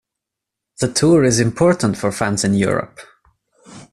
The Tour is important for fans in Europe.